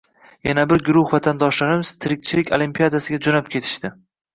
Yana bir guruh vatandoshlarimiz “tirikchilik olimpiadasiga” joʻnab ketishdi.